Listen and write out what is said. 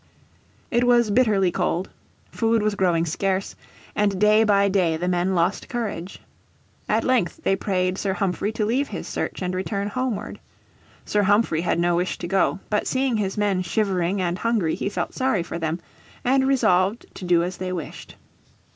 It was bitterly cold, food was growing scarce, and day by day the men lost courage. At length they prayed Sir Humphrey to leave his search and return homeward. Sir Humphrey had no wish to go, but seeing his men shivering and hungry he felt sorry for them, and resolved to do as they wished.